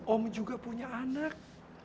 om juga punya anak